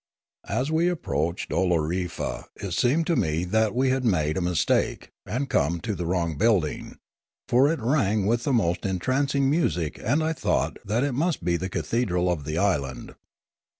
As we approached Oolorefa it seemed to me that we had made a mistake and come to the wrong building; for it rang with the most entrancing music and I thought that it must be the cathedral of the island.